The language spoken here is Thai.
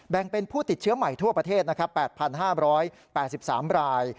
เป็นผู้ติดเชื้อใหม่ทั่วประเทศ๘๕๘๓ราย